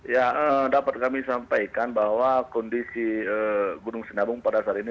ya dapat kami sampaikan bahwa kondisi gunung sinabung pada saat ini